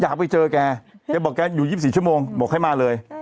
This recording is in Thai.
อยากไปเจอแกแกบอกแกอยู่๒๔ชั่วโมงบอกให้มาเลย